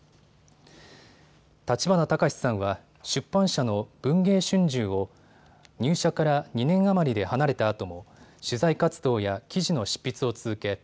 立花隆さんは、出版社の文藝春秋を入社から２年余りで離れたあとも取材活動や記事の執筆を続け